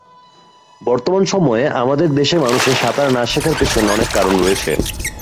বর্তমান সময়ে আমাদের দেশের মানুষের সাঁতার না-শেখার পেছনে অনেক কারণ রয়েছে।